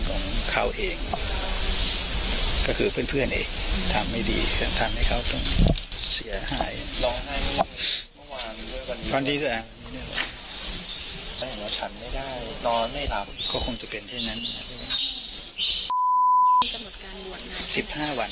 ตรงนั้นของคุณตัวน้ำของสิ่งที่มีกระถูกกระเบียงอยู่สิ่งนี้